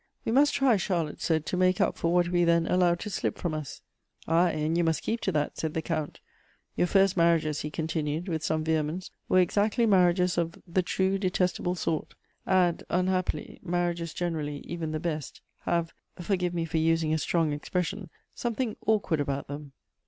" We must ti y," Charlotte said, " to make up for what we then allowed to slip from us." " Aye, and you must keep to that," said the Count ; "your first marriages," he continued, with sqme vehe mence, " were exactly marriages of the true detestable sort. Arid, unhapjiily, marriages generally, even the best, have (forgive me for using a strong expression) something awkward about them.